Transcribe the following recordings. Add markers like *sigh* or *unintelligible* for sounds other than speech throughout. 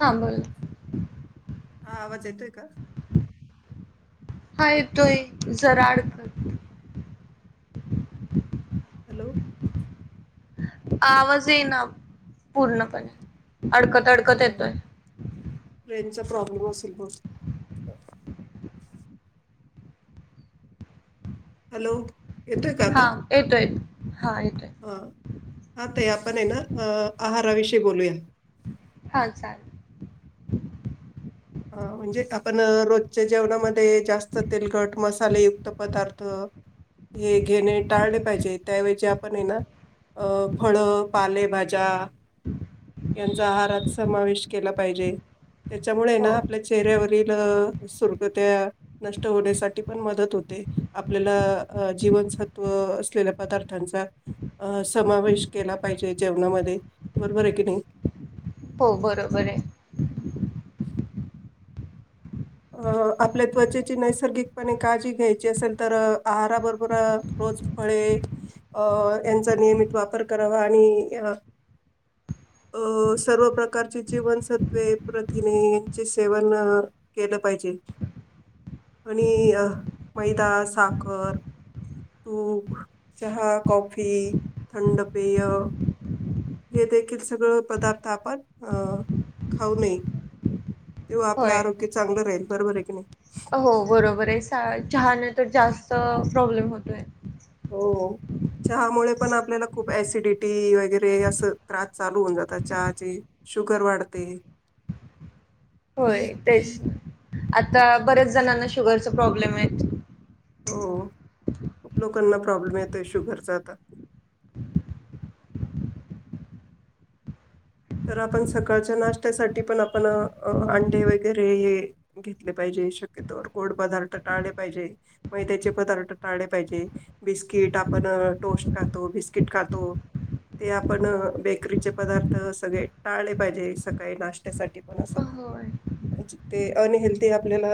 हा बोल हा आवाज येतोय का? हा येतोय जरा अड हॅलो आवाज येईना पूर्णपणे अडकत अडकत येतोय रेंजचा प्रॉब्लेम असेल बहुतेक हॅलो येतोय का हा आता? येतोय हा येतोय. ह हा ताई आपण यना आहाराविषयी बोलूया. हां चालेल. अ म्हणजे आपण रोजच्या जेवणामध्ये जास्त तेलकट मसालेयुक्त पदार्थ तर हे घेणे टाळले पाहिजे त्याऐवजी आपण आहे ना अ फळं पालेभाज्या यांचा आहारात समावेश केला पाहिजे त्याच्यामुळे हो ना आपल्या चेहऱ्यावरील सुरकुत्या नष्ट होण्यासाठी पण मदत होते. आपल्याला अ जीवनसत्व असलेल्या पदार्थांचा अ समावेश केला पाहिजे जेवणामध्ये बरोबर आहे की नई. हो बरोबर आहे. अ आपल्या त्वचेची नैसर्गिकपणे काळजी घ्यायची असेल तर आहाराबरोबर रोज फळे अ यांचा नियमित वापर करावा आणि अ *inaudible* अ सर्व प्रकारची जीवनसत्वे प्रथिने यांचे सेवन केलं पाहिजे आणि अ मैदा, साखर तूप, चहा, कॉफी, प्यायला थंड पेय. हे देखील सगळं पदार्थ आपण अ खाऊ नये. तेव्हा आपलं होय आरोग्य चांगलं राहील बरोबरे की नई. हो बरोबर आहे सा चहाने तर जास्त प्रॉब्लेम होतोय. हो चहामुळे पण आपल्याला खूप ऍसिडिटी वगैरे असं त्रास चालू होऊन जातात चहाचे. शुगर वाढते. *inaudible* होय तेच आता बऱ्याच जणांना शुगरचे प्रॉब्लेम आहे. हो खूप लोकांना प्रॉब्लेम येतोय शुगरचा आता. तर आपण सकाळच्या नाश्त्यासाठी पण आपण अंडी वगैरे हे घेतले पाहिजे शक्यतोवर गोड पदार्थ टाळले पाहिजे मैद्याचे पदार्थ टाळले पाहिजे. बिस्किट आपण टोस्ट खातो बिस्किट खातो. ते आपण बेकरीचे पदार्थ स सगळे टाळले पाहिजे सकाळी नाश्त्यासाठी पण असं होय ते अनहेल्थी आपल्याला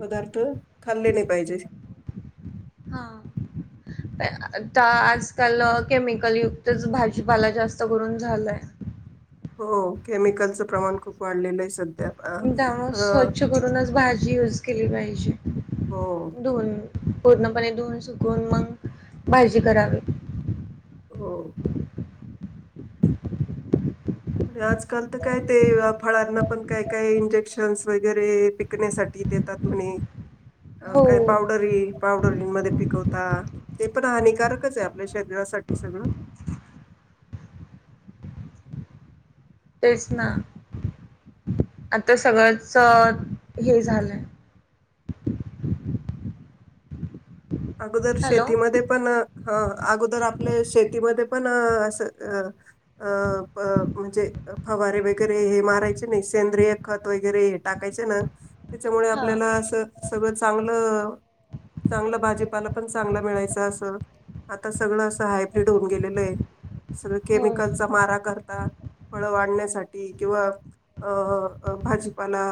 पदार्थ खाल्ले नाही पाहिजे. हां आता आजकाल केमिकल युक्तच भाजीपाला जास्त करून झालाय. हो केमिकलचं प्रमाण खूप वाढलेलं आहे सध्या. अ मग त्यामुळं अ, स्वच्छ करूनच भाजी यूज केली पाहिजे. हो धुवून पूर्णपणे धुवून सुकून मग भाजी करावी. हो आणि आजकाल तर काय ते फळांना पण काय- काय इंजेक्शन्स वगैरे पिकण्यासाठी देतात. म्हणे हो काय पावड *unintelligible* पावडरी मध्ये पिकवता ते पण हानिकारकच आहे आपल्या शरीरासाठी सगळं. तेच ना आता सगळंच हे झालंय. अगोदर हॅलो शेतीमध्ये पण ह अगोदर आपले शेतीमध्ये पण अस अ अ म्हणजे फवारे वगैरे हे मारायचे नाही सेंद्रिय खत वगैरे टाकायचें ना त्याच्यामुळे हा आपल्याला अस सगळं चांगलं चांगलं भाजी भाजीपाला पण चांगला मिळायच अस आता सगळं असं हायब्रीड होऊन गेलेलं आहे. सगळे होय केमिकलचा मारा करतात. फळं वाढण्यासाठी किंवा अ भाजीपाला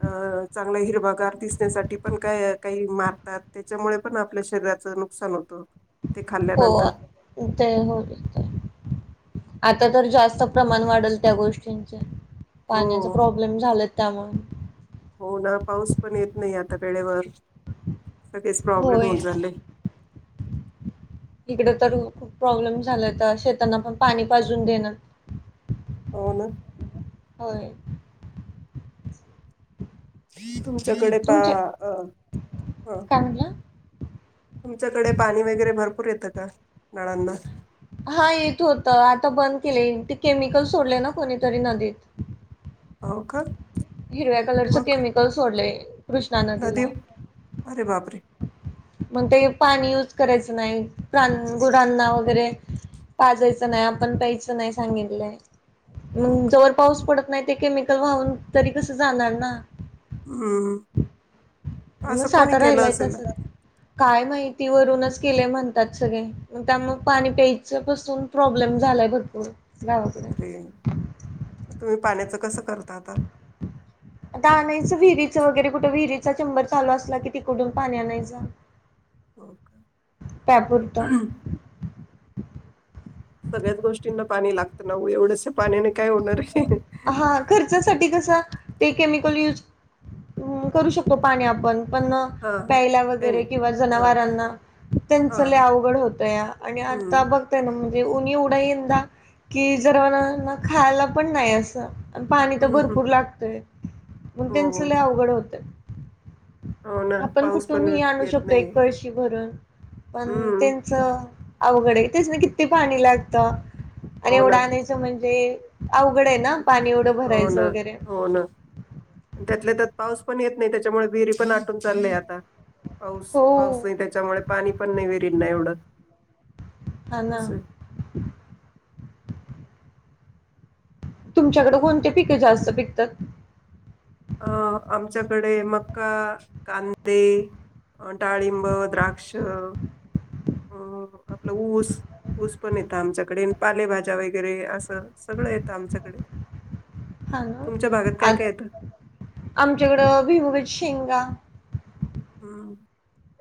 अ चांगला हिरवागार दिसण्यासाठी पण काय काही मारतात त्याच्यामुळे पण पण आपल्या शरीराचं नुकसान होतं. ते हो खाल्ल्यानंतर ते हो ते. आता तर जास्त प्रमाण वाढल त्या गोष्टींचे. हो पाण्याचा प्रॉब्लेम झालेत त्यामुळं. हो ना पाऊस पण येत नाही आता वेळेवर सगळेच प्रॉब्लेम होय होऊन चालले. इकड तर खूप प्रॉब्लेम झाला होता, ओ तर शेतांना पण पाणी पाजून देणात. हो ना. होय. तुमच्याकडे पा तुमच्या अ प हं. काय म्हणला. तुमच्याकडे पाणी वगैरे भरपूर येतं का नळांना? हा येत होतं, आता बंद केले ते केमिकल सोडलय ना कोणीतरी नदीत. हो का? हिरव्या कलरच केमिकल सोडलय. नदीत अरे बापरे! मग ते पाणी युज करायचं नाही प्राण गुरांना वगैरे. पाजायचं नाही आपण प्यायचं नाही सांगितलंय. हो मगं का जोवर पाऊस पडत नाही ते केमिकल वाहून तरी कस जाणार ना. हम्म! मग असं कोणी साठा केलं राहिलाय असेल तसाच, काय माहिती वरूनच केलय म्हणतात सगळे. मग त्यामुळ पाणी प्यायचं पासून प्रॉब्लेम झालाय भरपूर गावाकड. अरे! तुम्ही पाण्याचं कसं करता आता. आता आणायचं विहिरीचं वगैरे कुठं विहिरीचा चेंबर चालू असला कि तिकडून पाणी आणायचं. हो का? ‌प्यापुरत. सगळ्याच गोष्टींना पाणी लागतं नाओ, एवढंस पाण्याने काय होणार आहे‌. हा. खर्चासाठी कस ते केमिकल यूज अं करू शकतो पाणी आपण पणं हां हां प्यायला काही वगैरे नाही. किंवा हां जनावरांना. त्यांच हां लय हां अवघड होतया आणि आता हं, बघ म्हणजे ऊन एवढा आहे यंदा, कि जनावरांना खायला पण नाही असं. आन पाणी तर हं, हं. भरपूर लागतय. म्हणून हो, त्यांच हो. लय अवघड होतय. हो ना आपण पाऊस पण कुठूनही आणू येत शकतो नाही. एक कळशी भरून. पण हं, त्यांच अवघड आहे त्यासनी किती पाणी लागतं‌. आणि हो एवढं ना. आणायचं म्हणजे अवघड आहे ना पाणी एवढं हो भरायचं ना, वगैरे, हो ना. त्यातल्या त्यात पाऊस पण येत नाही, त्याच्यामुळे विहिरी पण आटून चालले आता पाऊस हो पाऊस नाही. त्याच्यामुळे पाणी पण नाही विहिरींना एवढं. हा ना. असं आहे. तुमच्याकड कोणती पिकं जास्त पिकतात. अं आमच्याकडे मक्का, कांदे, अ डाळिंब, द्राक्ष, अ आपलं ऊस. ऊस पण येतं आमच्याकडे पालेभाज्या वगैरे असं सगळं येतं आमच्याकडे. हा ना तुमच्या भागात काय आ काय येतं? आमच्याकडं भुईमुगाच्या शेंगा. हम!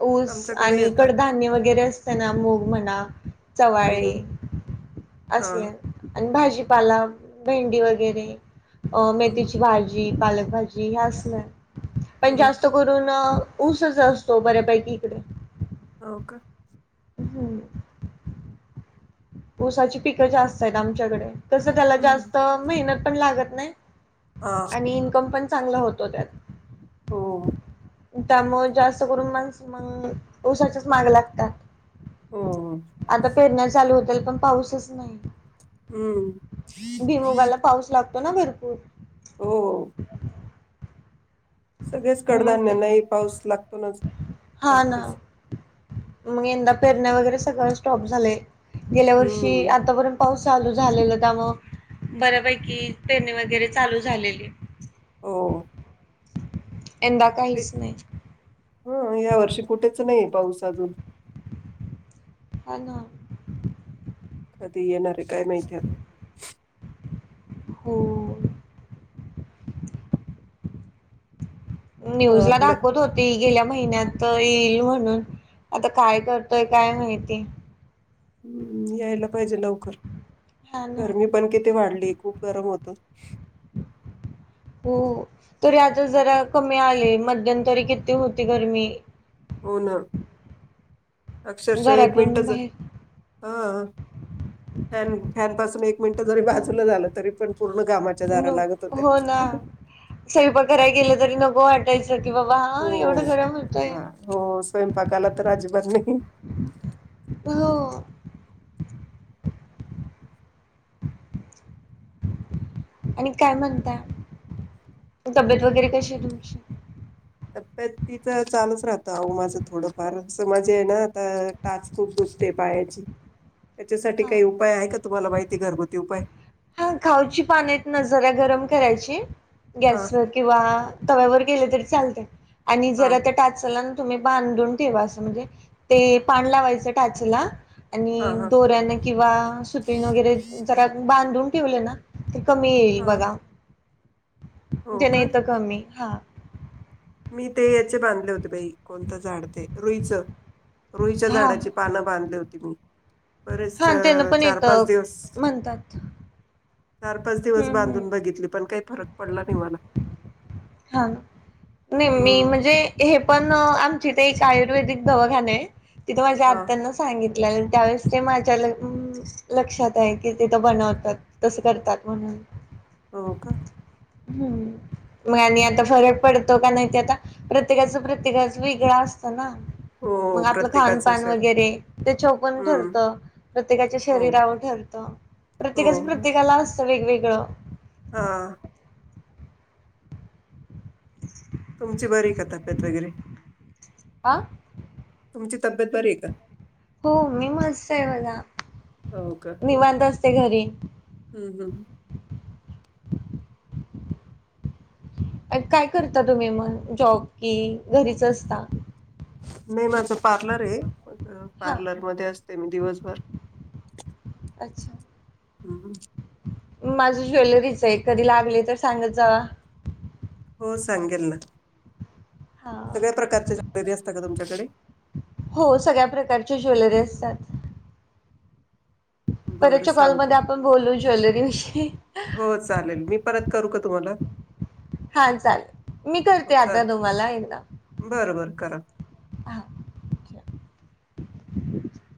ऊस आणि कडधान्य वगैरे असतय ना मुग म्हणा. हम्म चवाळी हम्म हा असले. आणि भाजीपाला भेंडी वगैरे अ हम्म हम्म मेथीची भाजी. पालकभजी, पण हम्म जास्त करून ऊसच असतो. हो बऱ्यांपैकी ईकडे हो कां हम्मं ऊसांची पिकं जास्तं आहेतं आमच्यानकडे तसं त्यांला हम्म जास्तं मेहनंत पणं लागतं नाहीं हा आणि इन्कम पणं चांगला होतो त्यांत हो त्यामुळें जास्तं करूंन माणसं मंग उसाच्यांच मागं लागतांत हो आतां पेरण्यां चालूं होतील पणं पाऊसचं नाहीं हम्मं भियमुंगांला पाऊस लागतो नां भरंपूर हो सगळयांच मग कडधान्ये ते नाहीं पाऊस लागतो नां लागतोच मंग यंदा पेरण्यां वगैरें सगळं स्टॉप झाले गेल्यां वर्षी हम्म आतांपर्यंत पाऊस चालूं झालेलां त्यां मंग बऱ्यांपैकी पेरणी वगैरें चालूं झालेली हो यंदा काहींचं नाहीं हं यां वर्षी कुठेचं नाहीं पाऊस अजूंन हां नां कधीं येणारं आहे कायं माहिती हो न्यूंज हा लां आपलं दाखवंत होते ते गेल्यां महिन्यांत येईल म्हणूंन आतां कायं करतोय कायं माहिती हम्मं यांयला पाहिजे लवकरं हा ना गर्मी पणं किती वाढली खूंप गरमं होतं हो तरी आतां हो जरां कमी आलें मध्यंतरी किती होती गर्मी हो नां अक्षरशः एक घरातून मिनिटं बाहेर जरं हां फ फँन पासूंन एक मिनिटं जरी बाजूंला झालं तरी पणं पूर्ण गमाच्यां धांरा लागतं होत्यां स्वंयपाकराय गेलं तरी नको वाटतं यांचं की बाबां हां हो. एवढं गरमं होतंय वा. हो स्वयंपाकाला तर अजिबात नाही हो हो आणि कायं म्हणतां तब्येतं वगैरें कशी आहे तुमची तब्येत तिचं चालूंच राहतं अहं माझं थोडंफार असं म्हजे आहे नां आतां टांचखूंप दुखंते पायांची हं त्यांच्यासाठी कांहीं उपांय आहे कां तुम्हांला माहिती घरंगुती उपांय खांऊची पानं नां जरां गरमं करायंची हा गॅसवरं किंवा तव्यांवर केले तरी चालते आणि हा जरां त्यां टांचाला तुम्हीं बांधून ठेवां असं म्हणजे ते पांण लावायचं टाचेलां हा आणि हा दोऱ्यांन किंवा सुत्रीन वगैरें जरां बांधून ठेवले नां ते कमी येईल हा बघां हो म्हणजे का नाहीं तरं कमी हां मी ते यांचे बांधले होते बाई कोणतं झाडं ते रुईचं रुईच्यां हा झाडांची पानं बांधले होती मी हा त्यानं बरेचं पण चार पांच येतं दिवसं म्हणतात चार पांच हम्म दिवसं बांधून बघितली पणं कांहीं फरक पडलां नाहीं मलां हां नाहीं मी हम्म म्हणजे हे पणं आं तिथे एक आयुर्वेदिक दवाखांना आहे तिथं माझ्यां हा आत्यांना सांगितलं त्यांवेळेस ते माझ्यां ल लक्षांत आहे की तिथं बनवंतात तसं करतांत म्हणूंन हो कां हम्म. मग आणि आता फरक पडतो का नाही, ते आता प्रत्येकाच प्रत्येकाच वेगळां असत ना? मग हो आपलं प्रत्येकाचं खानपान शरीर वगैरे त्याच्याव पण हम्म ठरत. प्रत्येकाच्या हो शरीरावर ठरतं हो प्रत्येकाच हो प्रत्येकाला असतं वेगवेगळं. हा. *unintelligible* तुमची बरी का तब्येत वगैरे? आ. तुमची तब्येत बरी आहे का? हो मी मस्त आहे बघा! हो का! निवांत असते घरी हम्म हम्म! काय करता तुम्ही मग जॉब कि घरीच असता? नाही माझं पार्लर आहे, हां, पार्लर मध्ये असते मी दिवसभर. अच्छा. हम्! माझी ज्वेलरीच आहे, कधी लागली तर सांगत जावा. हो सांगेल ना. हां. सगळ्या प्रकारच्या जेवलरी असतात का तुमच्याकडे? हो सगळ्या प्रकारची ज्वेलरी असतात. बरं परतच्या सांगते कॉलमध्येध्ये आपण बोलू ज्वेलरी विषयी. हो चालेल मी. परत करू का तुम्हाला? हा चालेल मी करते आता तुम्हाला एकदा. बर बर करा! हां, ठेवा. *unintelligible*